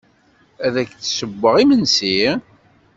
Ad ak-d-ssewweɣ imensi?